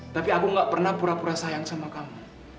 tapi aku gak pernah pura pura sayang sama kamu